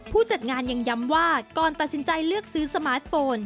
ผู้จัดงานยังย้ำว่าก่อนตัดสินใจเลือกซื้อสมาร์ทโฟน